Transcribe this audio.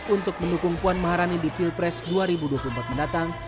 untuk mendukung puan maharani di pilpres dua ribu dua puluh empat mendatang